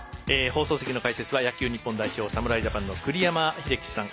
放送席の解説は野球日本代表監督侍ジャパンの栗山英樹さん。